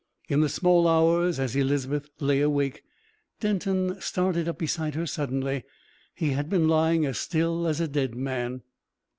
In the small hours, as Elizabeth lay awake, Denton started up beside her suddenly he had been lying as still as a dead man.